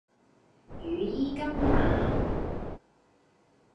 羽衣甘藍